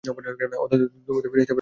অন্তত, তুমি তো ফিরে আসতে পেরেছ, ছেলে!